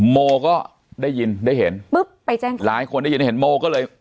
โมก็ได้ยินได้เห็นปุ๊บไปแจ้งความหลายคนได้ยินได้เห็นโมก็เลย